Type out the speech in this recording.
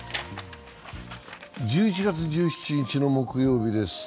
１１月１７日の木曜日です。